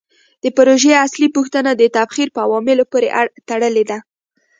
د پروژې اصلي پوښتنه د تبخیر په عواملو پورې تړلې ده.